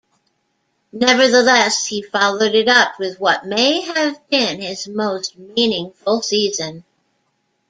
Nevertheless, he followed it up with what may have been his most meaningful season.